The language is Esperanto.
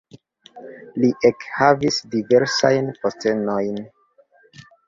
Li ekhavis diversajn postenojn.